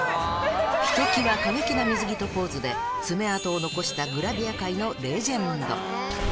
ひときわ過激な水着とポーズで爪痕を残した、グラビア界のレジェンド。